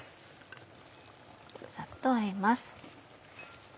サッとあえます。